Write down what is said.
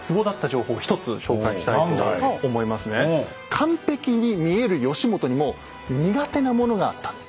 完璧に見える義元にも苦手なものがあったんです。